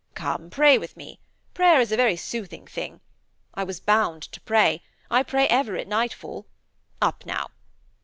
Come, pray with me. Prayer is a very soothing thing. I was bound to pray. I pray ever at nightfall. Up now.